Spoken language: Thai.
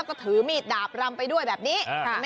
ก็ถือมีดดาบรำไปด้วยแบบนี้